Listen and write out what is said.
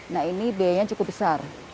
nah ini biayanya cukup besar